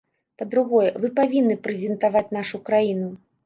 Па-другое, вы павінны прэзентаваць нашу краіну.